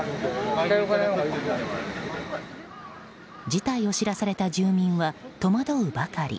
事態を知らされた住民は戸惑うばかり。